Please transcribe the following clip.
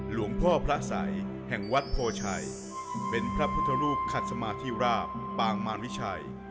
หลวงพ่อพระสัยแห่งวัดโพชัยเป็นพระพุทธรูปขัดสมาธิราบปางมารวิชัย